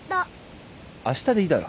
あしたでいいだろ。